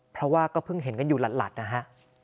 เพราะว่าก็เพิ่งเห็นกันอยู่หลัดนะฮะ